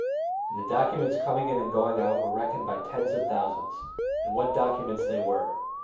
And the documents coming in and going out were reckoned by tens of thousands; and what documents they were!